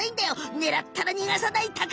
ねらったら逃がさないタカ。